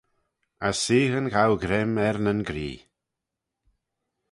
As seaghyn ghow greim er nyn gree.